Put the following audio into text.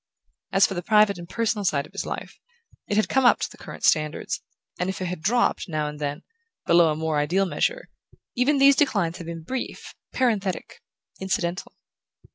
As for the private and personal side of his life, it had come up to the current standards, and if it had dropped, now and then, below a more ideal measure, even these declines had been brief, parenthetic, incidental.